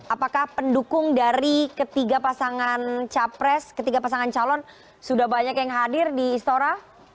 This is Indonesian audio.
apakah pendukung dari ketiga pasangan capres ketiga pasangan calon sudah banyak yang hadir di istora